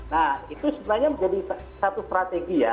nah itu sebenarnya menjadi satu strategi ya